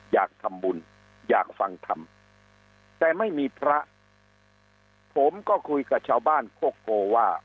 อยากทำบุญอยากฟังธรรมแต่ไม่มีพระผมก็คุยกับชาวบ้านโคโกว่า